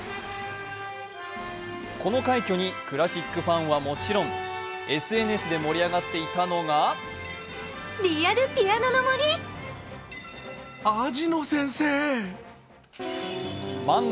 この快挙にクラシックファンはもちろんＳＮＳで盛り上がっていたのが漫画